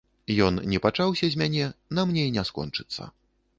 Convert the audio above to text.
Ён не пачаўся з мяне, на мне і не скончыцца.